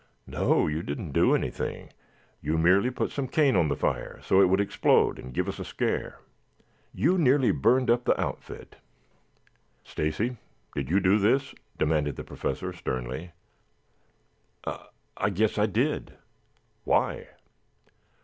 "No, you didn't do anything. You merely put some cane on the fire so it would explode and give us a scare. You nearly burned up the outfit." "Stacy, did you do this?" demanded the Professor sternly. "I I guess I did." "Why?"